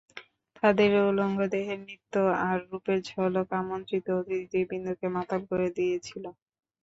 তাদের উলঙ্গদেহের নৃত্য আর রূপের ঝলক আমন্ত্রিত অতিথিবৃন্দকে মাতাল করে দিয়েছিল।